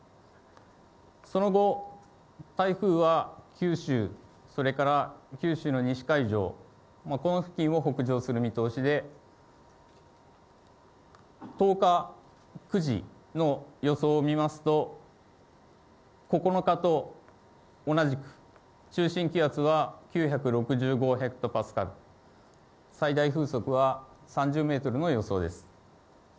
その後、台風は九州、それから九州の西海上、この付近を北上する見通しで、１０日９時の予想を見ますと、９日と同じく、中心気圧は９６５ヘクトパスカル、最大風速は３０メートルの予想です。